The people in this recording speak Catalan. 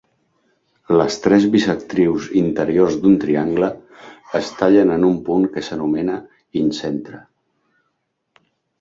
Les tres bisectrius interiors d'un triangle es tallen en un punt que s'anomena incentre.